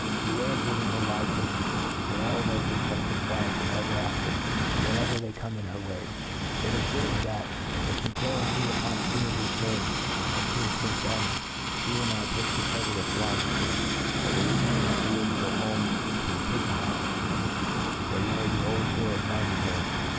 Beware of giving her live pigeons, for that will make her check and fly at them ever after, when ever they come in her way. It is certain, that, • if fee kill and feed iljpon a few of thefe birds when fee is firft er^tcred, fee. will not take the trouble of flying at ^ame j b|4t will leave you in the field, and go home to the pigeon houfc, where you may be always 'fure pf finding her